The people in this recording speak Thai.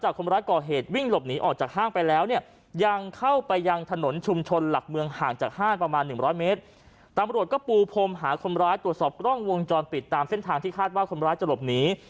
คมร้ายตรวจสอบร่องวงจรปิดตามเส้นทางที่คาดว่าคมร้ายจะหลบหนี